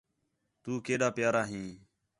تو کیݙا پیارا ھیں